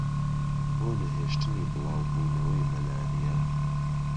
بۆ نەهێشتنی بڵاوبوونەوەی مەلاریا